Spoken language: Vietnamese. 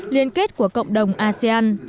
liên kết của cộng đồng asean